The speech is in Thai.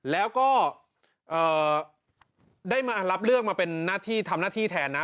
แล้วก็ได้มารับเลือกมาเป็นหน้าที่ทำหน้าที่แทนนะ